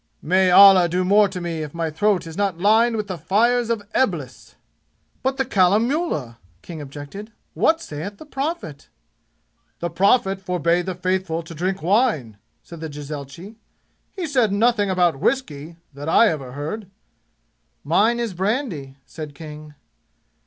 "May Allah do more to me if my throat is not lined with the fires of Eblis!" "But the Kalamullah!" King objected. "What saith the Prophet?" "The Prophet forbade the faithful to drink wine," said the jezailchi. "He said nothing about whiskey, that I ever heard!" "Mine is brandy," said King.